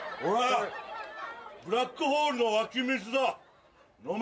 ブラックホールの湧き水だ、飲め！